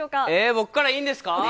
僕からいいんですか？